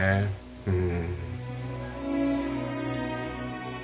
うん。